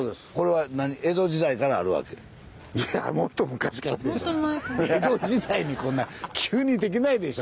江戸時代にこんな急にできないでしょ